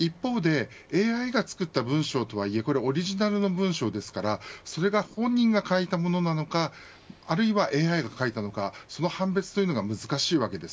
一方でＡＩが作った文章とはいえオリジナルの文章ですからそれが本人が書いたものなのかあるいはＡＩが書いたものなのかその判別というのが難しわけです。